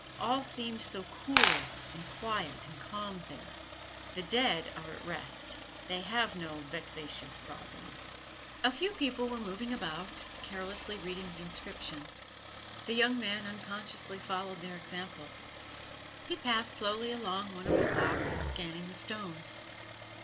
All seemed so cool and quiet and calm there! The dead are at rest: they have no vexatious problems. A few people were moving about, carelessly reading the inscriptions. The young man unconsciously followed their example; he passed slowly along one of the walks, scanning the stones.